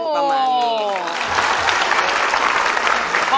สวัสดีครับ